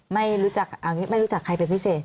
ไม่รู้จักไม่รู้จักใครเป็นพิเศษ